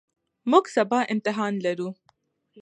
موږ سبا امتحان لرو.